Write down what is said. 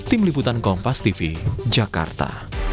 tim liputan kompas tv jakarta